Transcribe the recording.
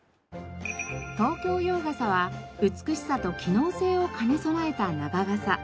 東京洋傘は美しさと機能性を兼ね備えた長傘。